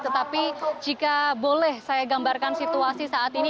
tetapi jika boleh saya gambarkan situasi saat ini